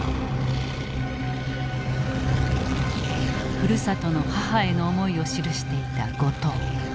ふるさとの母への思いを記していた後藤。